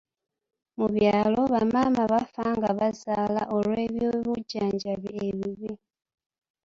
Mu byalo, bamaama bafa nga bazaala olw'ebyobujjanjabi ebibi.